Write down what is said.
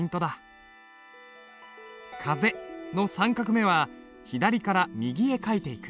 「風」の３画目は左から右へ書いていく。